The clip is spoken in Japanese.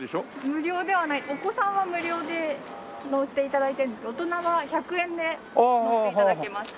無料ではないお子さんは無料で乗って頂いてるんですけど大人は１００円で乗って頂けます。